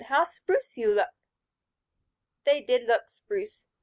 "How spruce you look!" They did look "spruce."